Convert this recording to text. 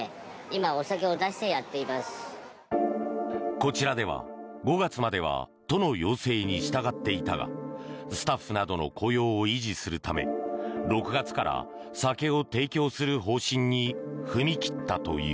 こちらでは５月までは都の要請に従っていたがスタッフなどの雇用を維持するため６月から酒を提供する方針に踏み切ったという。